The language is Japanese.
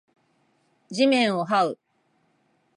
地面を這う